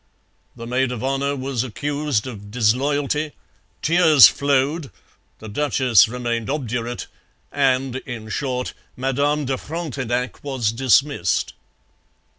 The maid of honour was accused of disloyalty, tears flowed, the duchess remained obdurate, and, in short, Madame de Frontenac was dismissed.